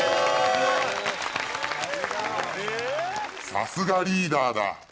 さすがリーダーだ。